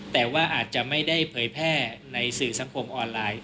แต่ว่าอาจจะไม่ได้เผยแพร่ในสื่อสังคมออนไลน์